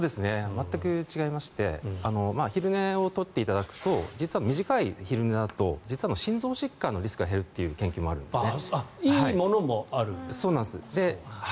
全く違いまして昼寝を取っていただくと実は短い昼寝だと心臓疾患のリスクが減るという研究もあるんですね。